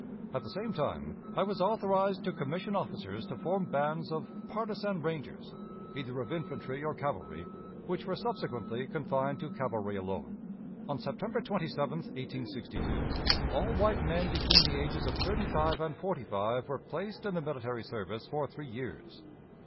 At the same time I was authorized to commission officers to form bands of "Partisan Rangers," either of infantry or cavalry, which were subsequently confined to cavalry alone. On September 27, 1862, all white men between the ages of thirty five and forty five were placed in the military service for three years.